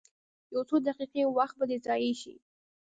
یو څو دقیقې وخت به دې ضایع شي.